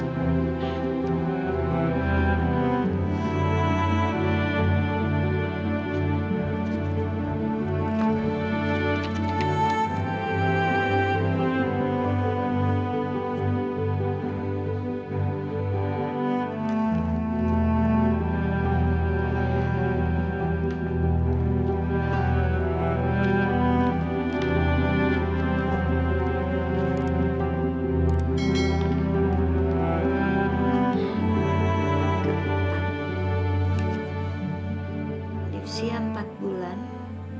kita lihat di jalannya